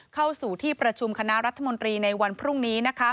เข้าสู่ที่ประชุมคณะรัฐมนตรีในวันพรุ่งนี้